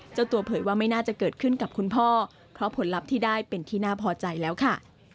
เจ้าตัวเผยว่าไม่น่าจะเกิดขึ้นกับคุณพ่อเพราะผลลัพธ์ที่ได้เป็นที่น่าพอใจแล้วค่ะ